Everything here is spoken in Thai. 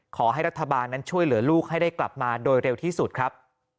ขอให้รัฐบาลนั้นช่วยเหลือลูกให้ได้กลับมาโดยเร็วที่สุดครับ